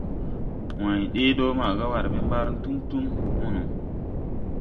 Way ɗee do maaga war ɓe mbar ne tum tum mono.